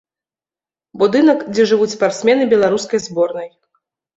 Будынак, дзе жывуць спартсмены беларускай зборнай.